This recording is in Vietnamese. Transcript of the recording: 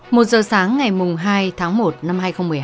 một giờ sáng ngày hai tháng một năm hai nghìn một mươi hai